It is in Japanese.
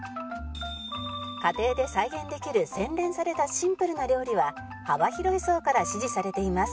家庭で再現できる洗練されたシンプルな料理は幅広い層から支持されています